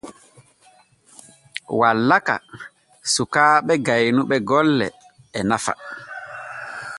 Wallaka suukaaɓe gaynuɓe golle e nafa.